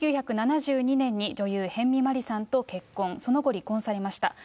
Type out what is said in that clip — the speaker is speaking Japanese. １９７２年に女優、辺見マリさんと結婚、その後、離婚されました。